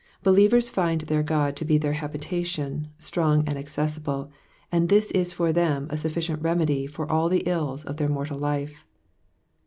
Believers tind their God to be their habitation, strong and accessible, and this is for them a sufficient remedy for all the ills of their mortal life.